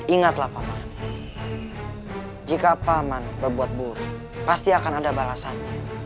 ingatlah papa jika paman berbuat buruk pasti akan ada balasan